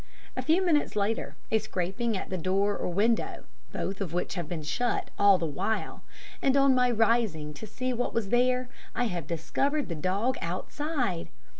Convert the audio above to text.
A few minutes later a scraping at the door or window both of which have been shut all the while and on my rising to see what was there, I have discovered the dog outside!